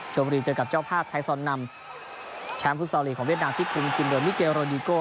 บุรีเจอกับเจ้าภาพไทยซอนนำแชมป์ฟุตซอลลีกของเวียดนามที่คุมทีมโดยมิเกลโรดิโก้